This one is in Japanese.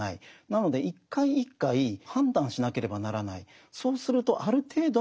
なので一回一回判断しなければならない。